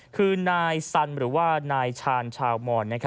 คือนายสันหรือว่านายชาญชาวมอน